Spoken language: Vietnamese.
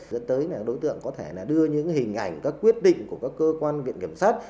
dẫn tới là đối tượng có thể đưa những hình ảnh các quyết định của các cơ quan viện kiểm sát